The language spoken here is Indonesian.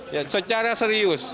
ya secara serius